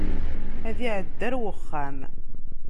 Ad iɛeddi ar wexxam.